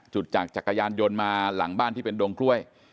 จากจักรยานยนต์มาหลังบ้านที่เป็นดงกล้วย